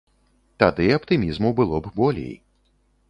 Тады аптымізму было б болей.